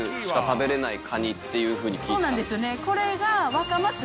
そうなんですよねこれが。